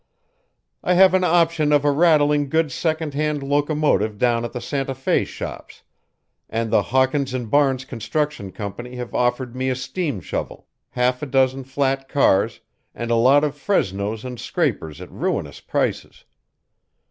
"I have an option of a rattling good second hand locomotive down at the Santa Fe shops, and the Hawkins & Barnes Construction Company have offered me a steam shovel, half a dozen flat cars, and a lot of fresnos and scrapers at ruinous prices.